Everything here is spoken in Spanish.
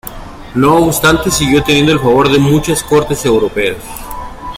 No obstante, siguió teniendo el favor de muchas cortes europeas.